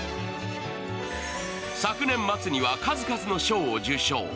昨年末には数々の賞を受賞。